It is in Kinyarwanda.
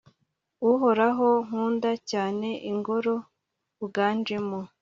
uhoraho, nkunda cyane ingoro uganjemo